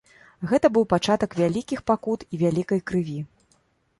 Гэта быў пачатак вялікіх пакут і вялікай крыві.